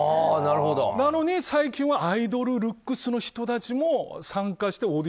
なのに、最近はアイドルルックスの人たちも参加している。